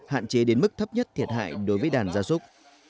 hạn chế đến mức thấp nhất thiệt hại đối với đàn gia súc